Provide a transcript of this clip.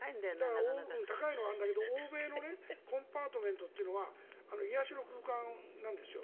高いのはあるんだけど欧米のコンパートメントというのは癒やしの空間なんですよ。